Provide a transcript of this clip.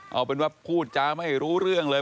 เอาเป็นว่าพูดจาไม่รู้เรื่องเลย